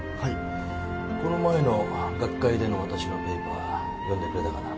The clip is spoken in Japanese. この前の学会での私のペーパー読んでくれたかな？